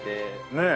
ねえ。